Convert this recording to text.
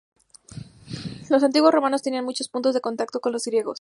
Los antiguos romanos tenían muchos puntos de contacto con los griegos.